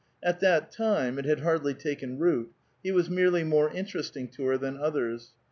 At that time it had hardly taken root ; he was merely more interesting to her than others.